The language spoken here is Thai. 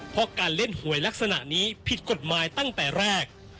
เพราะการเล่นหวยลักษณะนี้ผิดกฎหมายตั้งแต่แรก